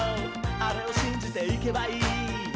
あれをしんじていけばいい」